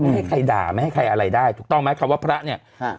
ให้ใครด่าไม่ให้ใครอะไรได้ถูกต้องไหมคำว่าพระเนี่ยฮะ